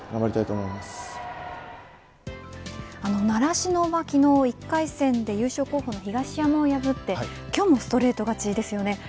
習志野は昨日１回戦で優勝候補の東山を破って今日もストレート勝ちですよね。